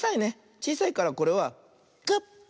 ちいさいからこれはコップ。